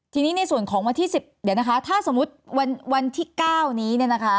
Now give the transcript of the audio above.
ทีนี้ในส่วนของวันที่๑๐เดี๋ยวนะคะถ้าสมมุติวันที่๙นี้เนี่ยนะคะ